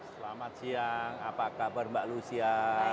selamat siang apa kabar mbak lucia